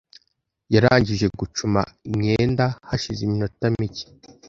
Yarangije gucuma imyenda hashize iminota mike.